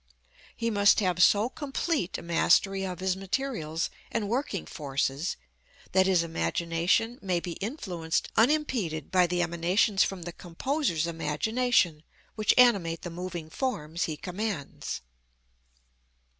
He must have so complete a mastery of his materials and working forces that his imagination may be influenced unimpeded by the emanations from the composer's imagination which animate the moving forms he commands.